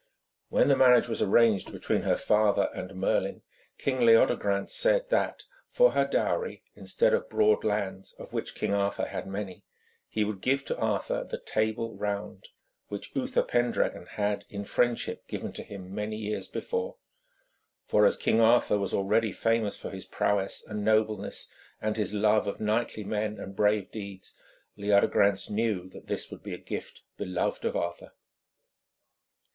When the marriage was arranged between her father and Merlin, King Leodegrance said that, for her dowry, instead of broad lands, of which King Arthur had many, he would give to Arthur the Table Round, which Uther Pendragon had in friendship given to him many years before. For, as King Arthur was already famous for his prowess and nobleness and his love of knightly men and brave deeds, Leodegrance knew that this would be a gift beloved of Arthur.